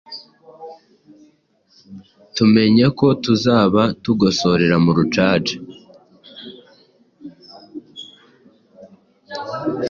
tumenye ko tuzaba tugosorera mu rucaca".